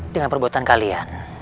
dengan perbuatan kalian